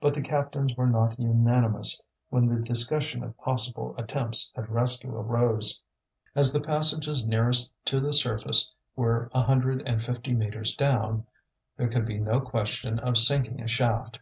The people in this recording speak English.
But the captains were not unanimous when the discussion of possible attempts at rescue arose. As the passages nearest to the surface were a hundred and fifty metres down, there could be no question of sinking a shaft.